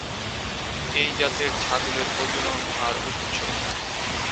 এই জাতের ছাগলের প্রজনন হার উচ্চ।